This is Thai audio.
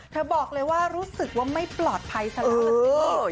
เธอบอกเลยว่ารู้สึกว่าไม่ปลอดภัยสักครั้ง